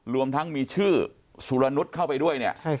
รวมทั้งมีชื่อสุรนุษย์เข้าไปด้วยเนี่ย